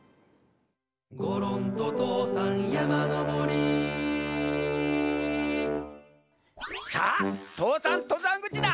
「ごろんととうさんやまのぼり」さあ父山とざんぐちだ。